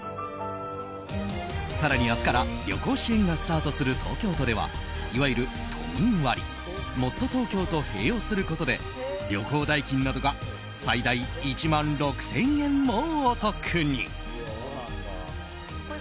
更に明日から旅行支援がスタートする東京都ではいわゆる都民割もっとＴｏｋｙｏと併用することで旅行代金などが最大１万６０００円もお得に。